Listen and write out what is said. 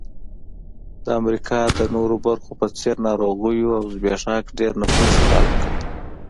د امریکا د نورو برخو په څېر ناروغیو او زبېښاک ډېر نفوس تلف کړ.